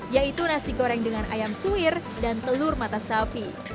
yaitu nasi goreng dengan ayam suwir dan telur mata sapi